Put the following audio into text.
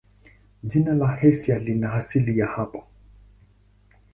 Jina la Asia lina asili yake hapa.